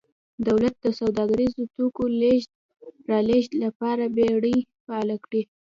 دولت د سوداګریزو توکو لېږد رالېږد لپاره بېړۍ فعالې کړې